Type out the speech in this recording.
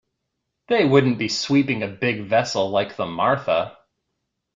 They wouldn't be sweeping a big vessel like the Martha.